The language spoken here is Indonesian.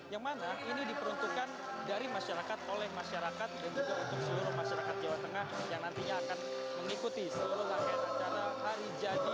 yang mana ini diperuntukkan dari masyarakat oleh masyarakat dan juga untuk seluruh masyarakat jawa tengah yang nantinya akan mengikuti seluruh rangkaian acara hari jadi